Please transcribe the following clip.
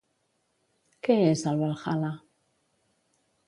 Què és el Valhalla?